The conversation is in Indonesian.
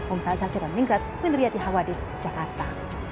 om faisal chetan mingkat penderita hwd jakarta